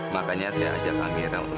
makanya saya ajak kamera untuk